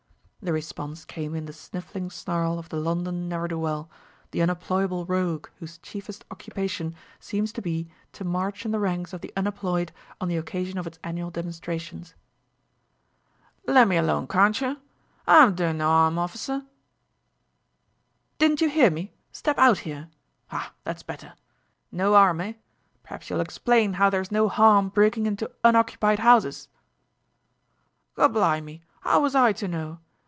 The response came in the sniffling snarl of the London ne'er do well, the unemployable rogue whose chiefest occupation seems to be to march in the ranks of The Unemployed on the occasion of its annual demonstrations. "Le' me alone, carntcher? Ah'm doin' no 'arm, officer, " "Didn't you hear me? Step out here. Ah, that's better.... No harm, eh? Perhaps you'll explain how there's no harm breakin' into unoccupied 'ouses?" "Gorblimy, 'ow was I to know?